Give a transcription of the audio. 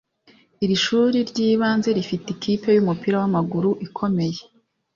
Iri shuri ryibanze rifite ikipe yumupira wamaguru ikomeye